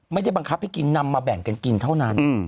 ไม่ได้บังคับให้กินนำมาแบ่งกันกินเท่านั้น